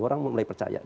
orang mulai percaya